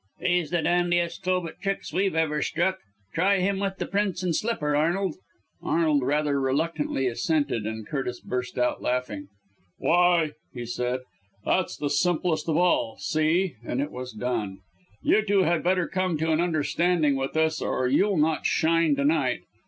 "He's the dandiest cove at tricks we've ever struck. Try him with the Prince and Slipper, Arnold!" Arnold rather reluctantly assented, and Curtis burst out laughing. "Why!" he said, "that's the simplest of all! See!" And it was done. "You two had better come to an understanding with us or you'll not shine to night.